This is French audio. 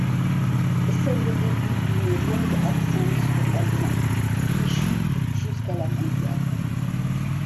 C'est le début d'une longue absence pour l'Allemand, qui chute jusqu'à la mondiale.